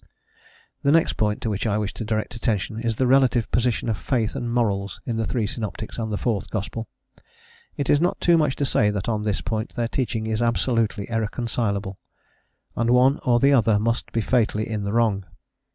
The next point to which I wish to direct attention is the relative position of faith and morals in the three synoptics and the fourth gospel. It is not too much to say that on this point their teaching is absolutely irreconcilable, and one or the other must be fatally in the wrong.